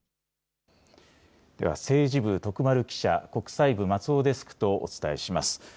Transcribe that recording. では政治部、徳丸記者、国際部松尾デスクとお伝えします。